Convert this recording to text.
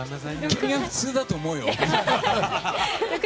君は普通だと思うよ。